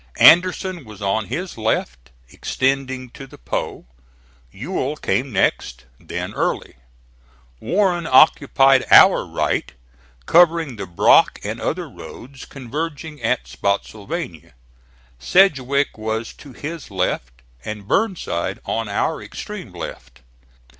Anderson was on his left extending to the Po, Ewell came next, then Early. Warren occupied our right, covering the Brock and other roads converging at Spottsylvania; Sedgwick was to his left and Burnside on our extreme left.